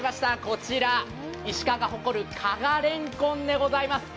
こちら、石川が誇る加賀れんこんでございます。